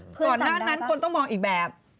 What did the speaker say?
ก่อนหน้านั้นคนต้องมองอีกแบบ